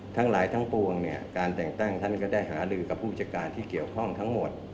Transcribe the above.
ทั้งหลายทั้งปวงเนี่ยการแต่งตั้งท่านก็ได้หาลือกับผู้จัดการที่เกี่ยวข้องทั้งหมด